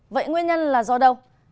vậy nguyên nhân là do đâu